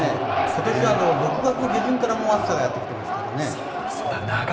今年、６月の下旬からもう暑さがやってきていますからね。